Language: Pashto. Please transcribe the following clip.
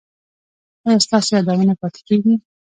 ایا ستاسو یادونه پاتې کیږي؟